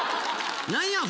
何や？